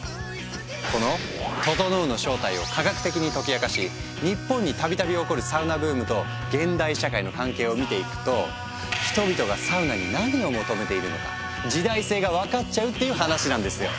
この「ととのう」の正体を科学的に解き明かし日本に度々起こるサウナブームと現代社会の関係を見ていくと人々がサウナに何を求めているのか時代性が分かっちゃうっていう話なんですよ。